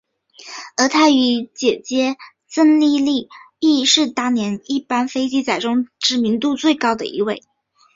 而他与姊姊郑丽丽亦是当年的一班飞机仔当中知名度较高的一位。